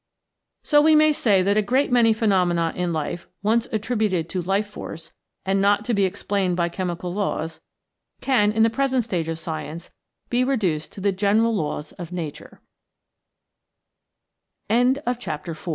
So we may say that a great many phenomena in life once attributed to Life Force, and not to be explained by chemical laws, can in the present stage of science be reduced to the ge